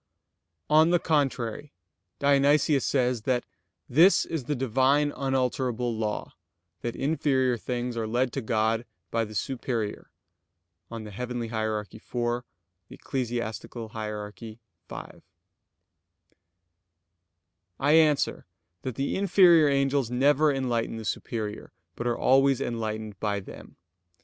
On the contrary, Dionysius says that "this is the Divine unalterable law, that inferior things are led to God by the superior" (Coel. Hier. iv; Eccl. Hier. v). I answer that, The inferior angels never enlighten the superior, but are always enlightened by them.